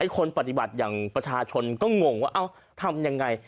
คนปฏิบัติอย่างประชาชนก็งงว่าทำยังไง